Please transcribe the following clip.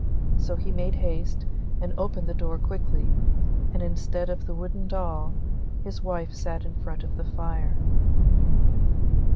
So he made haste, and opened the door quickly, and instead of the wooden doll, his wife sat in front of the fire.